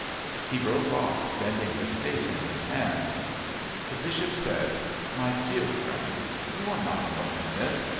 He broke off, bending his face in his hands. The Bishop said: "My dear friend, you are not alone in this.